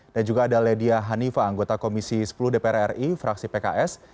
dan juga ada ledia hanifa anggota komisi sepuluh dpr ri fraksi pks